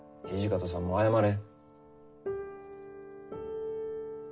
土方さんも謝れ。